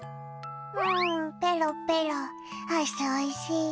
「うんペロペロアイスおいしい」